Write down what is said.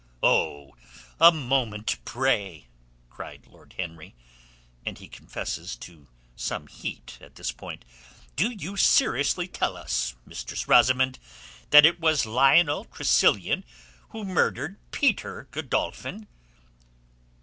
"Oh, a moment, pray!" cried Lord Henry, and he confesses to some heat at this point. "Do you seriously tell us, Mistress Rosamund, that it was Lionel Tressilian who murdered Peter Godolphin?"